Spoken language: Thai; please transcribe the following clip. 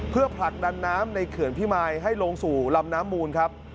เพื่อผลักดันน้ำในเขื่อนพิมายให้ลงสู่ลำน้ำมูลครับ